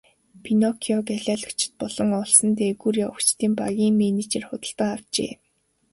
Пиноккиог алиалагчид болон олсон дээгүүр явагчдын багийн менежер худалдан авчээ.